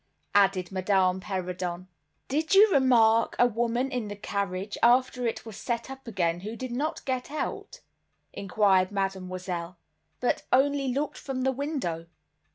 added Madame Perrodon. "Did you remark a woman in the carriage, after it was set up again, who did not get out," inquired Mademoiselle, "but only looked from the window?"